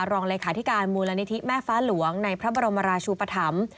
รองเลขาธิการมูลนิธิแม่ฟ้าหลวงในพระบรมราชูปธรรม